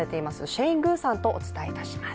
シェイン・グウさんとお伝えします。